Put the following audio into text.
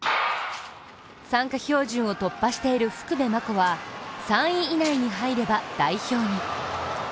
参加標準を突破している福部真子は３位以内に入れば代表に。